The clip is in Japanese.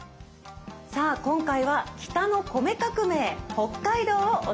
さあ今回は「北の米革命北海道」をお届けしました。